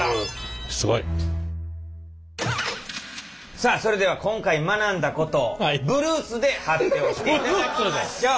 さあそれでは今回学んだことをブルースで発表していただきましょう。